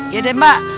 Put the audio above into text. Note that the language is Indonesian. ya deh mak